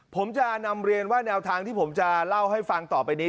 ผมจะนำเรียนว่าแนวทางที่ผมจะเล่าให้ฟังต่อไปนี้